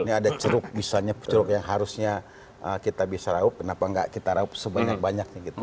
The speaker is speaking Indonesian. ini ada ceruk misalnya ceruk yang harusnya kita bisa raup kenapa nggak kita raup sebanyak banyaknya gitu